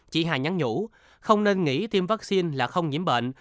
chị hà nhắn nhủ không nên nghĩ tiêm vaccine là không nhiễm bệnh